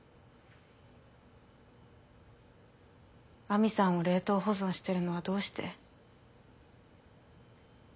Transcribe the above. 亜美さんを冷凍保存してるのはどうして？